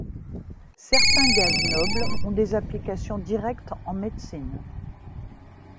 Certains gaz nobles ont des applications directes en médecine.